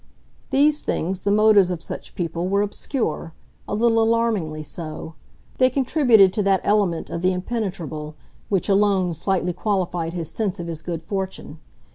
These things, the motives of such people, were obscure a little alarmingly so; they contributed to that element of the impenetrable which alone slightly qualified his sense of his good fortune.